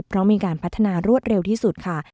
เพราะมีการพัฒนารวดเร็วที่สุดค่ะ